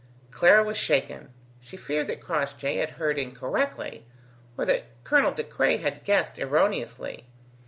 Clara was shaken: she feared that Crossjay had heard incorrectly, or that Colonel De Craye had guessed erroneously.